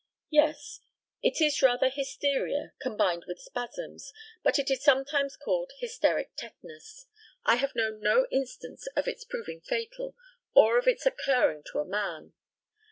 Yes. It is rather hysteria combined with spasms, but it is sometimes called hysteric tetanus. I have known no instance of its proving fatal, or of it occurring to a man.